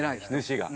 主が？